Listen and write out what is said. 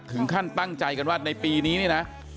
ถึงขั้นตั้งใจกันว่าในปีนี้นี่นะ